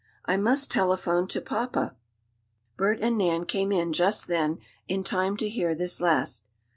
I must telephone to papa!" Bert and Nan came in just then, in time to hear this last.